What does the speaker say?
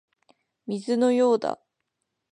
水のようだ